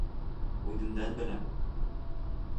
Үҙемдән беләм.